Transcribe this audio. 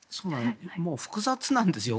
複雑なんですよ。